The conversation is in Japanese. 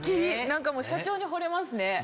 何か社長にほれますね。